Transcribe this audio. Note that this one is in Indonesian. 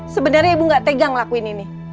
sebenernya ibu gak tegang ngelakuin ini